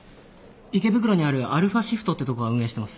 池袋にあるアルファシフトってとこが運営してます。